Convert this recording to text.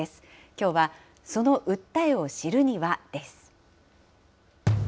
きょうはその訴えを知るにはです。